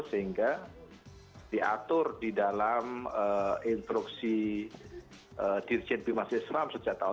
sehingga diatur di dalam instruksi dirjen p mas yusram sejak tahun seribu sembilan ratus tujuh puluh dua